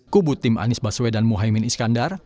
kubu tim anies baswedan mohaimin iskandar